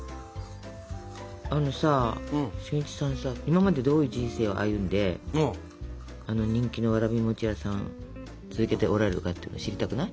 あのさ俊一さんさ今までどういう人生を歩んであの人気のわらび餅屋さん続けておられるかっていうの知りたくない？